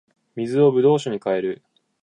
水を葡萄酒に変える